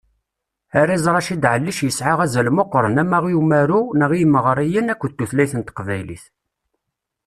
Arraz Racid Ɛellic yesɛa azal meqqren ama i umaru, neɣ i yimeɣriyen, akked tutlayt n teqbaylit.